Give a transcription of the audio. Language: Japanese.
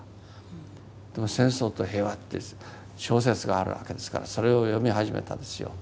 でも「戦争と平和」って小説があるわけですからそれを読み始めたんですよ。